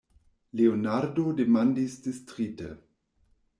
Leonardo demandis distrite.